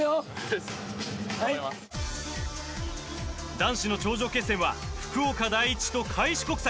男子の頂上決戦は福岡第一と開志国際。